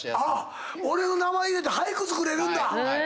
俺の名前入れて俳句作れるんだ！